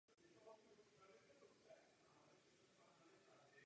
To samozřejmě není dobré.